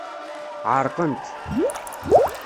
Ɛerqent.